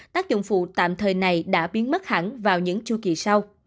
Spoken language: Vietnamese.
tác dụng phụ tạm thời này đã biến mất hẳn vào những chu kỳ sau